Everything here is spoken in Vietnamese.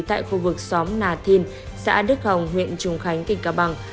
tại khu vực xóm nà thin xã đức hồng huyện trùng khánh tỉnh cao bằng